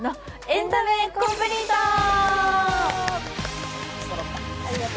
「エンタメコンプリート」。